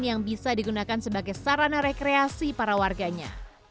yang bisa digunakan sebagai sarana rekreasi para warganya